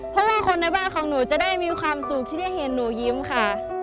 เพราะว่าคนในบ้านของหนูจะได้มีความสุขที่ได้เห็นหนูยิ้มค่ะ